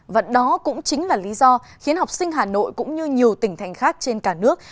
và đó cũng chính là lý do khiến học sinh hà nội cũng như nhiều tỉnh thành khác trên cả nước